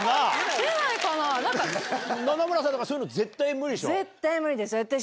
野々村さんとかそういうの絶対無理でしょ？